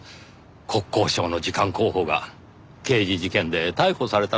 国交省の次官候補が刑事事件で逮捕されたのですからねぇ。